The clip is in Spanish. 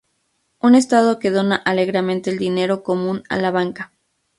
Un estado que dona alegremente el dinero común a la banca.